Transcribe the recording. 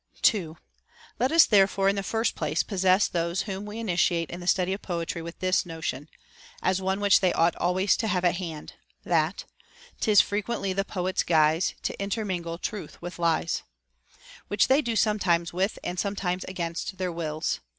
2. Let us therefore in the first place possess those whom we initiate in the study of poetry with this notion (as one which they ought always to have at hand), that 'Tis frequently the poet's guise To intermingle truth with lies; — which they do sometimes with and sometimes against their wills.